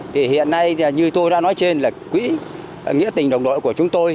thì hiện nay như tôi đã nói trên là quỹ nghĩa tình đồng đội của chúng tôi